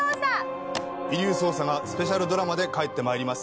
『遺留捜査』がスペシャルドラマで帰って参ります。